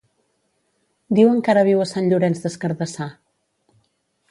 Diuen que ara viu a Sant Llorenç des Cardassar.